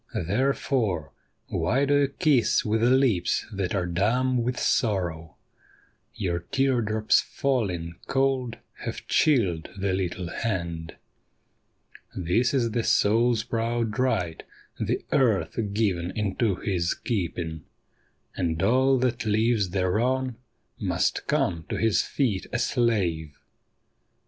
Therefore, why do you kiss with lips that are dumb with sorrow? Your tear drops falling cold have chilled the httle hand. This is the soul's proud right, the earth given into his keeping; And all that lives thereon must come to his feet a slave.